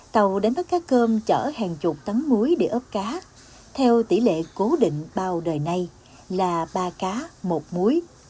tàu đến đó cá cơm chở hàng chục tấn muối để ốp cá theo tỉ lệ cố định bao đời này là ba cá một muối